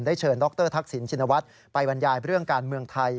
เชิญดรทักษิณชินวัฒน์ไปบรรยายเรื่องการเมืองไทย